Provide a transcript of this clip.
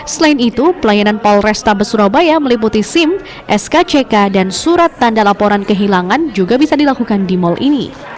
selain itu pelayanan polrestabes surabaya meliputi sim skck dan surat tanda laporan kehilangan juga bisa dilakukan di mal ini